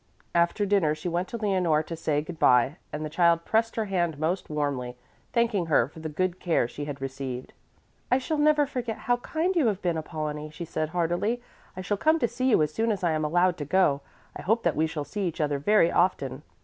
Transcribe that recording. After dinner she went to Leonore to say good bye, and the child pressed her hand most warmly, thanking her for the good care she had received. "I shall never forget how kind you have been, Apollonie," she said heartily. "I shall come to see you as soon as I am allowed to go. I hope that we shall see each other very often."